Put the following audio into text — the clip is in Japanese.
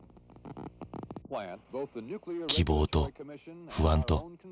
希望と不安と。